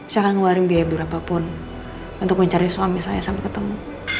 saya akan ngeluarin biaya berapapun untuk mencari suami saya sampai ketemu